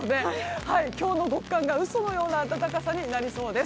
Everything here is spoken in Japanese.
今日の極寒が嘘のような暖かさになりそうです。